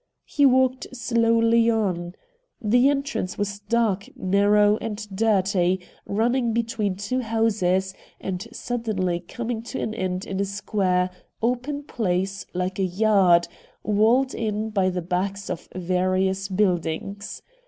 He walked slowly on. The entrance was dark, narrow, and dirty, running between two houses, and suddenly coming to an end in a square, open WHAT HAPPENED IN ST. JAMES'S ST 107 place like a yard, walled in by the backs of various buildings.